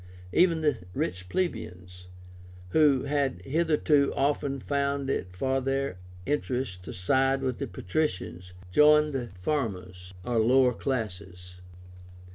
Even the rich plebeians, who had hitherto often found it for their interest to side with the patricians, joined the farmers or lower classes.